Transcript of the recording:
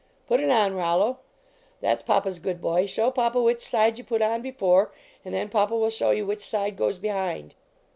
Put it on, Rollo; that s papa s good boy. Show papa which side you put on before, and then papa will show you which side goes behind!"